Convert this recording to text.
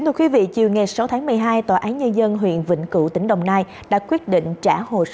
chiều ngày sáu tháng một mươi hai tòa án nhân dân huyện vịnh cựu tỉnh đồng nai đã quyết định trả hồ sơ điều tra